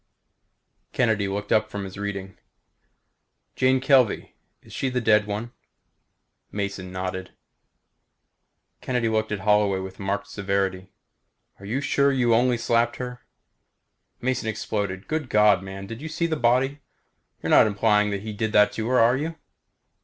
Kennedy looked up from his reading. "Jane Kelvey she is the dead one?" Mason nodded. Kennedy looked at Holloway with marked severity. "Are you sure you only slapped her?" Mason exploded. "Good God, man. Did you see the body? You're not implying he did that to her, are you?"